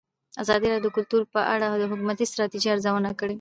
ازادي راډیو د کلتور په اړه د حکومتي ستراتیژۍ ارزونه کړې.